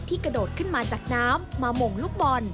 กระโดดขึ้นมาจากน้ำมาหม่งลูกบอล